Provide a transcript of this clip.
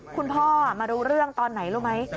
คุณพ่อมารู้เรื่องตอนไหนรู้ไหม